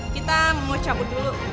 kita mau cabut dulu